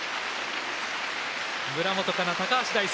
村元哉中高橋大輔。